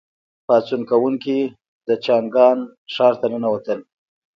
پاڅون کوونکي د چانګان ښار ته ننوتل.